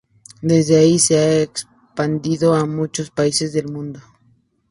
Desde ahí se ha expandido a muchos países del mundo.